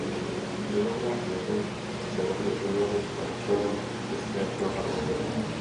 V devatenácti letech se na dvě sezony stal členem České filharmonie.